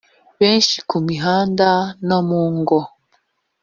benshi ku mihanda no mu ngo